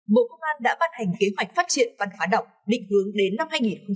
bộ công an đã phát hành kế hoạch phát triển văn hóa đọc định hướng đến năm hai nghìn ba mươi